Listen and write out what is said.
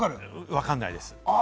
わかんないです。